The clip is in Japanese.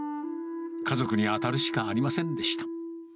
家族に当たるしかありませんでした。